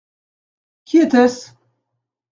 Qui était-ce ?